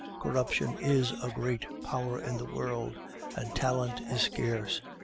Corruption is a great power in the world, and talent is scarce.